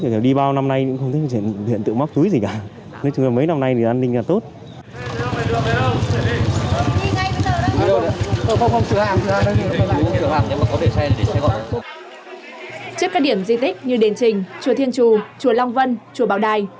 trước các điểm di tích như đền trình chùa thiên chù chùa long vân chùa bảo đài